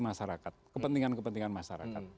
masyarakat kepentingan kepentingan masyarakat